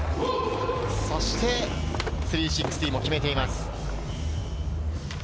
そして、３６０も決めています。